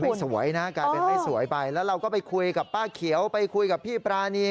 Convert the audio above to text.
สวยนะกลายเป็นไม่สวยไปแล้วเราก็ไปคุยกับป้าเขียวไปคุยกับพี่ปรานี